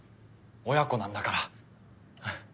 親子なんだから。